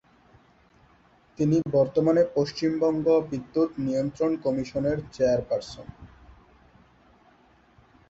তিনি বর্তমানে পশ্চিমবঙ্গ বিদ্যুৎ নিয়ন্ত্রণ কমিশনের চেয়ারপারসন।